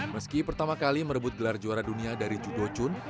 meski pertama kali merebut gelar juara dunia dari judo chun